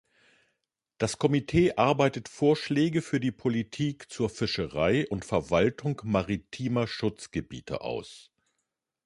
Das Komitee arbeitet Vorschläge für die Politik zur Fischerei und Verwaltung maritimer Schutzgebiete aus.